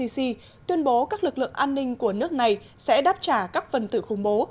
tổng thống ai cập abdel fattah al sisi tuyên bố các lực lượng an ninh của nước này sẽ đáp trả các phần tử khủng bố